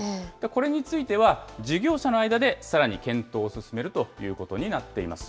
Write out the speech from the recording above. これについては、事業者の間でさらに検討を進めるということになっています。